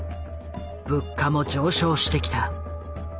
物価も上昇してきた。